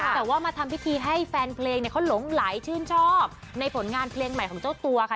แต่ว่ามาทำพิธีให้แฟนเพลงเนี่ยเขาหลงไหลชื่นชอบในผลงานเพลงใหม่ของเจ้าตัวค่ะ